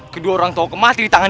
kedua orang tahu kematian